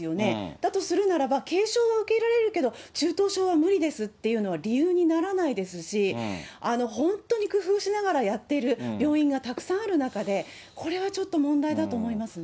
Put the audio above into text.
だとするならば、軽症は受け入れられるけど、中等症は無理ですっていうのは、理由にならないですし、本当に工夫しながらやっている病院がたくさんある中で、これはちょっと問題だと思いますね。